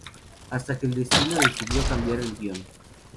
Hasta que el destino decidió cambiar el guión.